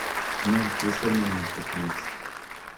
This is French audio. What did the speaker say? Non, laissez-moi, monsieur Félix !…